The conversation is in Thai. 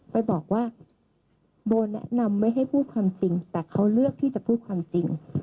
ไปบอกว่าโบแนะนำไม่ให้พูดความจริงแต่เขาเลือกที่จะพูดความจริง